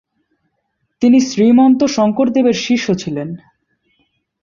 তিনি শ্রীমন্ত শঙ্করদেব-এর শিষ্য ছিলেন।